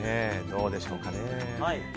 どれでしょうか。